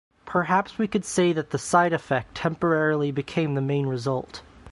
Perhaps we could say that the side effect temporarily became the main result.